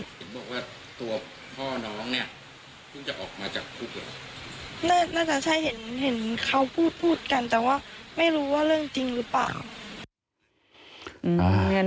พูดกันแต่ว่าไม่รู้ว่าเรื่องจริงหรือเปล่า